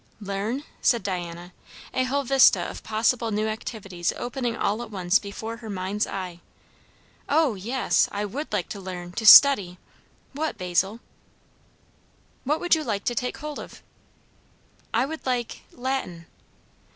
"Learn?" said Diana, a whole vista of possible new activities opening all at once before her mind's eye; "O yes! I would like to learn to study. What, Basil?" "What would you like to take hold of?" "I would like Latin."